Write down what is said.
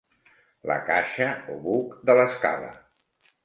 La caixa o buc de l'escala.